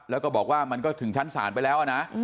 แล้วก็บอกว่ามันก็ถึงชั้นศาลไปแล้วนะ